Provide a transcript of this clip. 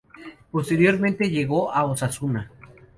Y posteriormente llegó a Osasuna.